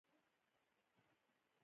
زده کړه نجونو ته د امید درس ورکوي.